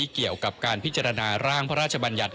เขียนทุกประชาบันยัตริย์